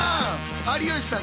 有吉さん